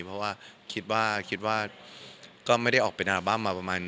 เพราะว่าคิดว่าคิดว่าก็ไม่ได้ออกเป็นอัลบั้มมาประมาณ